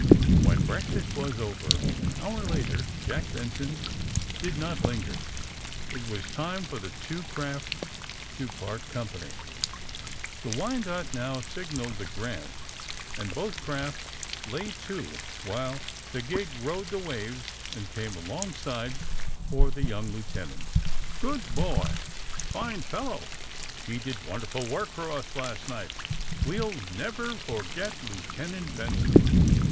When breakfast was over, an hour later. Jack Benson did not linger. It was time for the two 150 THE SUBMAEINE BOYS craft to part company. Tlie ^^Wyanoke" no"v^ signaled the ^' Grant'' and both craft lay to while the gig rode the waves and came along side for the young lieutenant. ^* Good boy!"' ^*Fine fellow!'' *^He did wonderful work for us last night. ^' '^We'll never forget Lieutenant Benson."